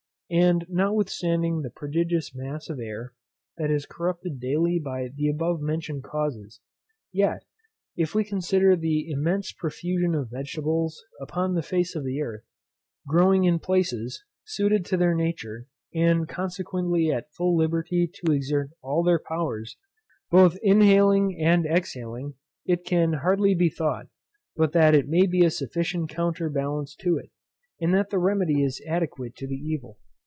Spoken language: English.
And, notwithstanding the prodigious mass of air that is corrupted daily by the above mentioned causes; yet, if we consider the immense profusion of vegetables upon the face of the earth, growing in places, suited to their nature, and consequently at full liberty to exert all their powers, both inhaling and exhaling, it can hardly be thought, but that it may be a sufficient counterbalance to it, and that the remedy is adequate to the evil.